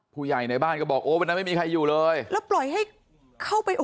ผู้ใหญ่ในบ้านก็บอกโอ้วันนั้นไม่มีใครอยู่เลยแล้วปล่อยให้เข้าไปโอ้